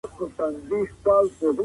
ته ولي کالي مينځې؟